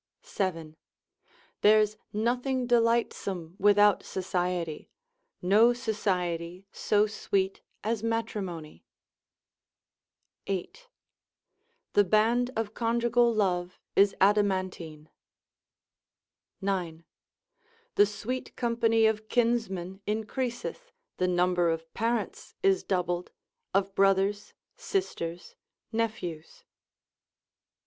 —7. There's nothing delightsome without society, no society so sweet as matrimony.—8. The band of conjugal love is adamantine.—9. The sweet company of kinsmen increaseth, the number of parents is doubled, of brothers, sisters, nephews.